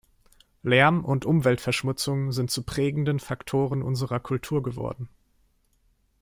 Lärm und Umweltverschmutzung sind zu prägenden Faktoren unserer Kultur geworden.